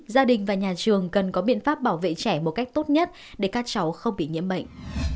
gia đình và nhà trường cần có biện pháp bảo vệ trẻ một cách tốt nhất để các cháu không bị nhiễm bệnh